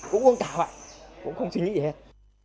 cũng uống cả hoặc cũng không suy nghĩ gì hết